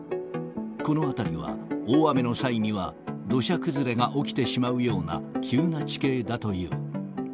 この辺りは、大雨の際には土砂崩れが起きてしまうような急な地形だという。